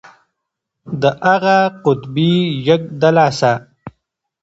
د اغه قطبي يږ د لاسه.